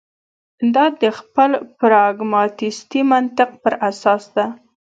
دا د خپل پراګماتیستي منطق پر اساس ده.